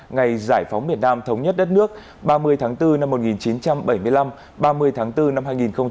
ngày giải phóng miền nam thống nhất đất nước ba mươi tháng bốn năm một nghìn chín trăm bảy mươi năm ba mươi tháng bốn năm hai nghìn hai mươi